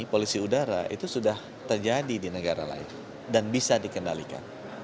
polusi udara itu sudah terjadi di negara lain dan bisa dikendalikan